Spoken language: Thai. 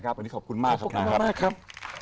อันนี้ขอบคุณมากครับ